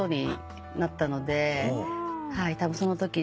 たぶんそのとき